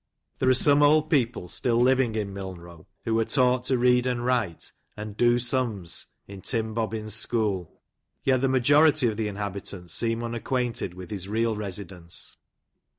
There are some old people still living in Milnrow, who were taught to read and write, and " do sums " in Tim Bobbins school; yet, the majority of the inhabitants seem unacquainted with his real residence.